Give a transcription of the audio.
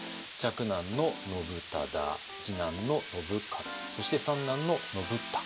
嫡男の信忠次男の信雄そして三男の信孝と。